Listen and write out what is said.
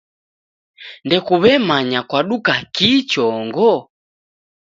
Ndekuw'emanya kwaduka kii chongo?